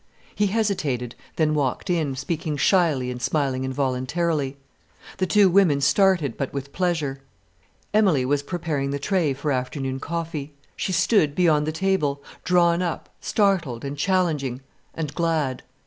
He hesitated, then walked in, speaking shyly and smiling involuntarily. The two women started, but with pleasure. Emilie was preparing the tray for afternoon coffee. She stood beyond the table, drawn up, startled, and challenging, and glad.